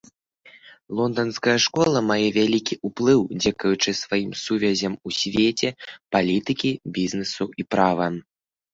Лонданская школа мае вялікі ўплыў, дзякуючы сваім сувязям у свеце палітыкі, бізнесу і права.